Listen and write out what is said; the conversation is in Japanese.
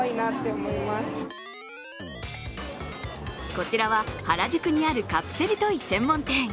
こちらは原宿にあるカプセルトイ専門店。